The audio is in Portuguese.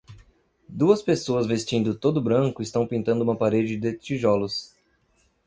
Duas pessoas vestindo todo branco estão pintando uma parede de tijolos.